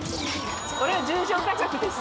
これは十条価格です。